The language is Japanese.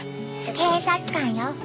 警察官よ。